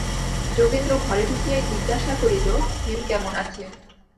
যোগেন্দ্র ঘরে ঢুকিয়াই জিজ্ঞাসা করিল, হেম কেমন আছে?